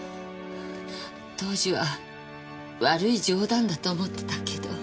当時は悪い冗談だと思ってたけど。